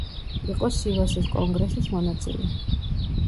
იყო სივასის კონგრესის მონაწილე.